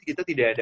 kita tidak ada